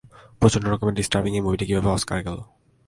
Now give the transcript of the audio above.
প্রচন্ড রকমের ডিস্টার্বিং এই মুভিটি কিভাবে অস্কারে গেল?